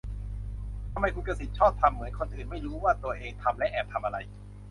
ทำไมคุณกษิตชอบทำเหมือนคนอื่นไม่รู้ว่าตัวเองทำและแอบทำอะไร ?